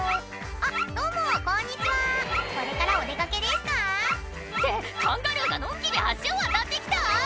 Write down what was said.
「あっどうもこんにちはこれからお出かけですか？」ってカンガルーがのんきに橋を渡ってきた⁉